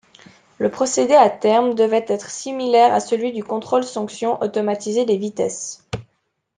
Le procédé à terme, devrait être similaire à celui du contrôle-sanction automatisé des vitesses.